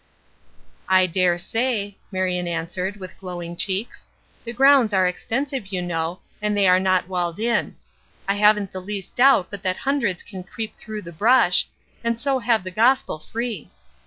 "I dare say," Marion answered, with glowing cheeks. "The grounds are extensive, you know, and they are not walled in. I haven't the least doubt but that hundreds can creep through the brush, and so have the gospel free.